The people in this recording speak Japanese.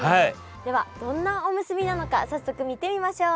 ではどんなおむすびなのか早速見てみましょう！